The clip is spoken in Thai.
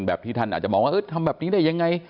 ที่ท่านอาจจะมองว่าทำแบบนี้ได้ยังไง